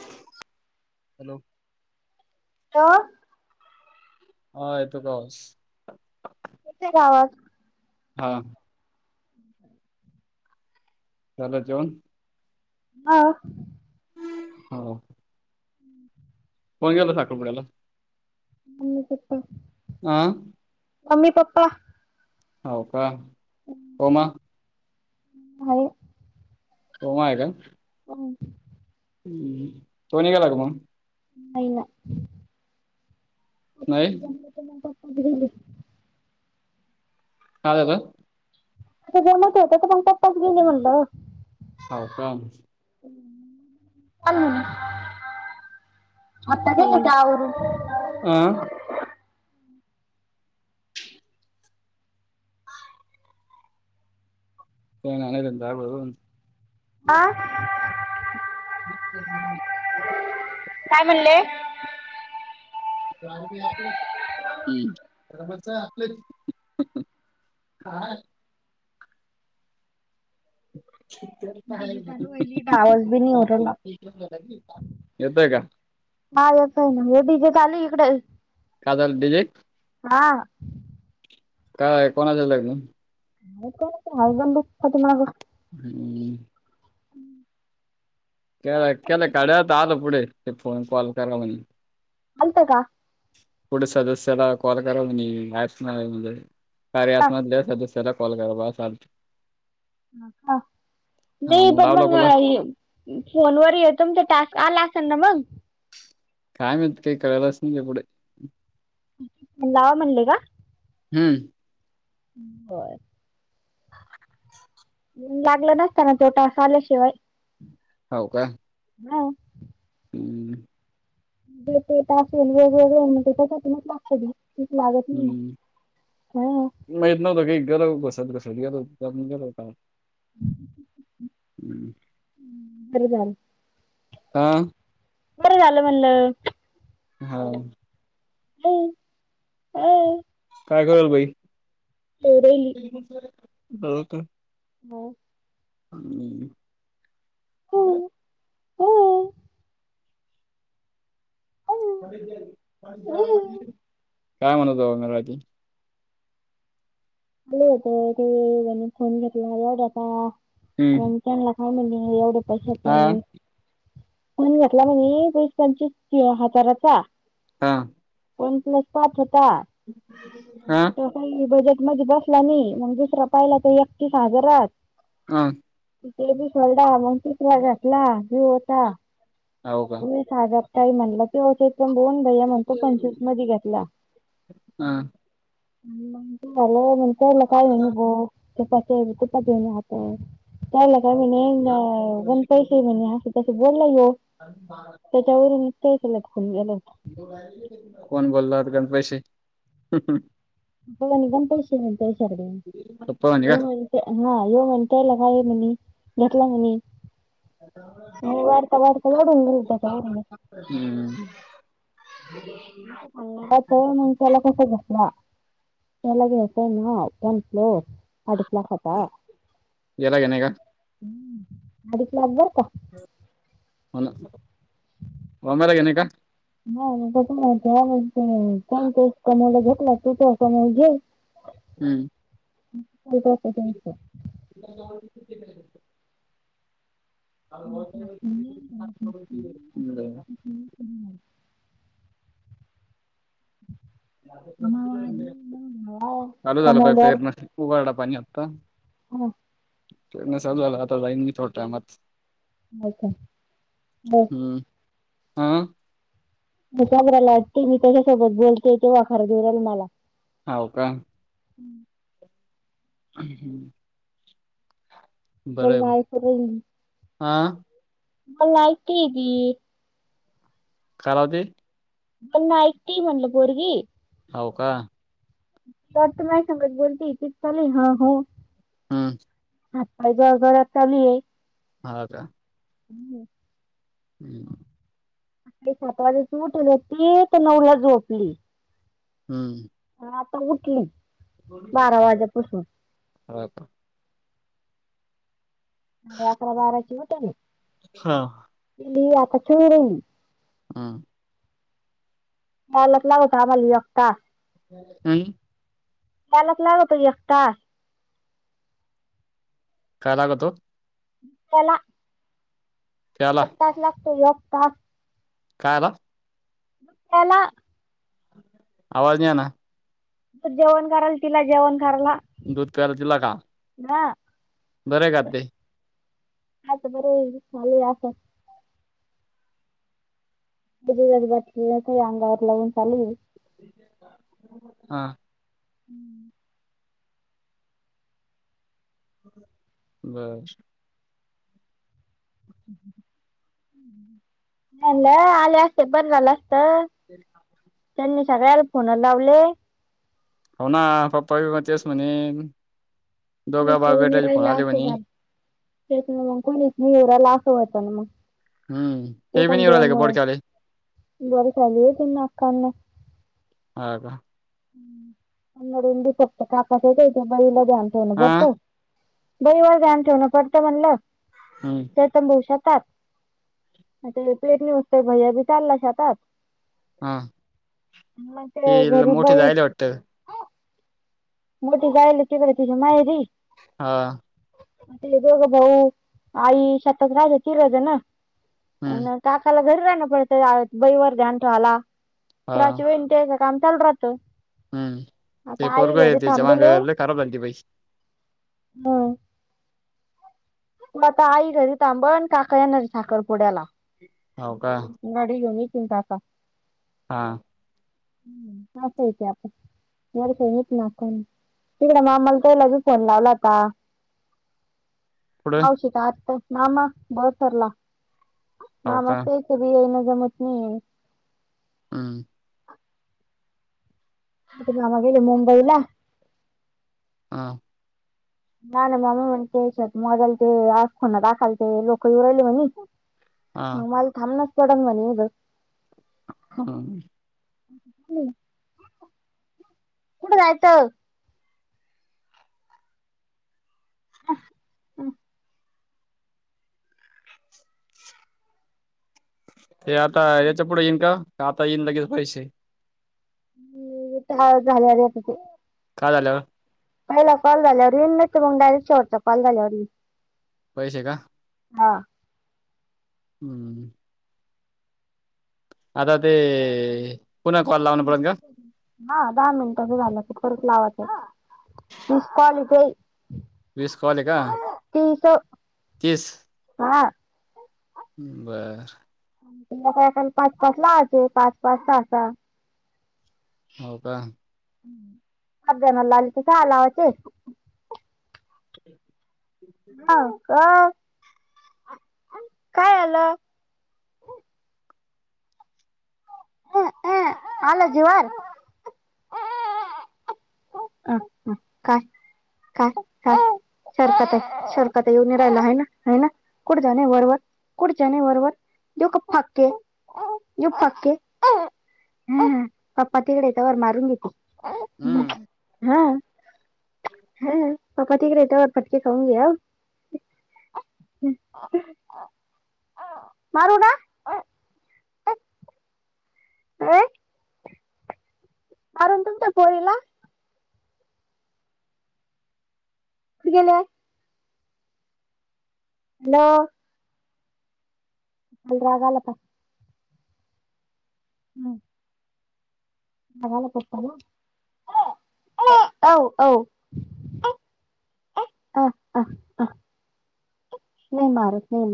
Hello. Hello. हा येतो का आवाज गावात. हा. ह [inaudible] चाल का जेवन. हाव. हो मण गेला होत साखरपड्याला. ह् कप [unintelligible] अ. Mummy papa. होव का? हो म. हॅलो उमा आहे का? हो. तू निघाला का मग. हाय ना. पप्पाच नाही. जमलं मग पाप घेली [unintelligible] काळी आ जमवत होत तर पण पप्पच गेले म्हणलं. हाव का. आता नाघायच आवरुन. आं. हो नंत आबो [unintelligible] हा काय म्हणले. आपलं बरोबरच आपल्या [unintelligible] हा. [inaudible] आवाज बी नाही येऊन राहिला. येतोय का? हा येतोय ना, हे डिजे चालूय इकड. काय चालू डिजे. हा. काय कोणाच लग्न. काय माहित कोणाचं, हाहे गल्लीत पाठीमाग. हम्म. केला केला काढ्या त आलं पुढे, ते फोन कॉल करा म्हणे. अलत का? पुढे सदस्याला कॉल करा म्हणे ऑप न येऊन जाईल, कार्य हा ॲप मधल्या सदस्य चरा कॉल कररा बा अज. का हा नाही पण लावला मग कुला फोनवर य तुमचा टास्क आला असेल ना मग काय माहीत काही करालाच नाही क पुढे. लावा म्हणले का? हम्म बरं येऊन लागलं नसताना तोटा आल्याशिवाय. हो का हां हम्म तासेन वेगवेग त्यासाठी म लागत. तच मागत नाही म हा माहीत नव्हतं की गेलो घोसात घसत गेल गेल का. हम्म खर राम हां बरं झालं म्हणलं. हां हम् हा काय करल बाई? तेर [unintelligible] हो का हो हम्म हं, हं, हं, हं. काय म्हणतो बंगरजी? ल हो ते म्हणे फोन घेतला आता. हम्म काामली एवढे पैशच हा नाही. मण घेतला म्हणजे वीस पंचवीस हजाराचा. हा. वन प्लस पाच होता. हा. तो बजेट मध्ये बसला नाही मग दुसरा पाहिला तर एकतीस हजारात. हा ति बी सोडला मग तीसराच घेतला व्हीओ चा होता. हो का? साज काही म्हणलं की हो. बन भैया म्हणतो पंचवीस मध्ये घेतला. हा झालं म्हण त्या काय घेन ग ते कुठ घेऊन आात त्याला का मी नण पैसे म्हणे अस तशी बोलला ये. त्याच्यावरून ते केलं ख गेलं. कोण बोललात गण पैसे प निघण पैसे मि त्या शरडे पप्पा म्हणे का हा येऊ म्हण त्यायला काय म्हणे घेतला म्हणे. हो वाढता वाढता उत तोडून [unintelligible] हम्म. म सांगा तर मग त्याला कस बसला. त्यालागे असतं ना पण फ्लोर अडीच लाखांचा होता याला घेणे का अडीच लाख बर का? होला वाम्याला घे नाही का? हो माण ते कमला घेतला तू त समोल घेई. हम्म. [unintelligible] [unintelligible] [unintelligible] ह ह. कमावा आधी मग घ्यावा चालू झालं पा प्रयत्न उगडा पाणी आता हम. चाू झाला आता जाईन मी थोड्या टाईमत घ्यायचं. बस हम्म हा. बराला वाटते मी त्याच्यासोबत बोलते ते वाखार दराल मला हो का? हम् हम्. मग मलाक हा मलायती- करा ते पण नाऐक त म्हणल बोरगी. होव का? तरत माय सांगत बोलते ते चाले हा हो. हम. आप जळ घरात चालू आहे.. ह का? हम्. हम्. सात वाजेची उटली न त तर नवला झोपली. हम्म. ह आता उठली. बारा वाजेपासून हा पण सा अकरा बाराची होटल हा पली आता ोड राेल हा लाच लाग होत आम्हाला यता [inaudible] नाही. मालक लागतो एकखता काय लाग तो? त्याला त्याला एक तास लागतो एक तास कायला हॅलो आवाज नाही आला. जेवण करायला तिला जेवण करायला, दूध पराय दिला का ह. बरं का ते आता बर चालेू आं. क बाटकी का अंगावर लावून चालू. हा. हम्म बर हम्म नाही आले असते बर झालं असत. ते त्यांनी सगळ्याला फोन लावले हो ना पप्पा बेटा तेच म्हणे आणि दोघं बाप शिवून बेटे राहिला भेटायला असं म्हणे झालं ना मग कोणीच निराला लाखं होत ना मग हम्म ते बी नाही कोणत्या राहिले का म बोडक्यावाले बर ली आहे त अखांना ह हा हंगडली फक्त कापातेतय ते बाईला दे अंतवन हा बरत बळीवर्धन ठेवण पडतय म्हणलं हम ब शतात ते पेटली मस्त भज्या बी चालला शातात हा मग ते ही घरी मोठी बाई जायला वाटते मोठी जायली तिकडं तिच्या माहेरी हा हा तुम्ही दोघेजण आई शेतात राहायला गेलो होतो हम्म ना काकाला घरी राहणं पडतं बैवर ध्यान ठेवाला हा पुराची वे ते संतल राहतो आता आई घरी जवांग थांबेले कराबली बाई ह त आता आई घरी थांबण काका येणारे साखरपुड्याला हो का नडी येऊ न तिंता हा हम् ह स क आता मर का येत ना कोण तिकड मामाला त्याला फोन लावला आता पुढे नाव शिका आता मामा बसरला मा हो का मस् क ये ना जमत नाही हम म मगली मुंबईला हा ना ना म् म्हण त्याच्यात मजाल ते आज खोना दाखलते लोकहीऊ राहिले म्ह हा ममला थमनच पोडण म्हणे हो कुठ जायचं हम् ते आता याच्या पुढे येईन का आता येईन लगेच पैसे ह झाले अरे तिथ का झालं पहिला कॉल झाल्यावर येच मग डायच्यावररतंॉल झाल्यावर पैसे का हा हम्म आता ते पुन्हा कॉल लावणपर्यंत का हा दहा मिनिटचं झालं तर परत लावाचं तीस कॉलचई वीस कवाले का तीस तीस हा बरं ख पाच पाच लाचे पाच पाच ता हो का ह देणार लाली तच्या आलावाचे हा का काय आलं ह हल जुवार ह काय काय काय शरकत आहे शरकत आहे येऊन राहिला आहे ना ह ना कुठ जाणे वरवर कुठ जाणे वरवर जो का फाके जो फाके हा पप्पा तिकडे येत वर मारून घेते हम्म हा हा पापा ठीक रहताऔ फटके खाऊंगी अ मारूड आ मार तुमट कोर्ला खु गेलेय हॅलो अलगला प म लात अ नाही मार नाही मार